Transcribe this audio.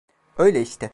Öyle işte.